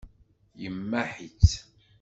Yemmaḥ-itt.